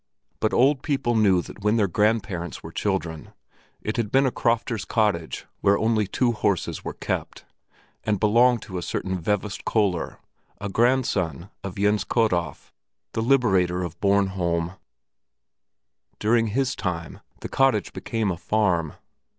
But old people knew that when their grandparents were children, it had been a crofter's cottage where only two horses were kept, and belonged to a certain Vevest Köller, a grandson of Jens Kofod, the liberator of Bornholm. During his time, the cottage became a farm.